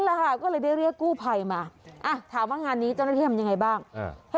นั่นแหละค่ะก็เลยได้เรียกกู้ไภมาอ่ะถามว่างานนี้เจ้าหน้าเทียมยังไงบ้างเออ